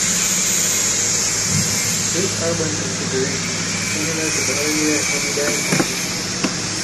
This urban configuration is similar to the earlier Hamidiye Complex.